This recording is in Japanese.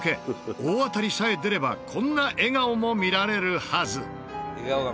大当たりさえ出ればこんな笑顔も見られるはず。